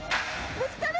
ぶつかる！